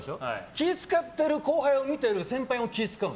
気を使っている後輩を見て先輩も気を使うの。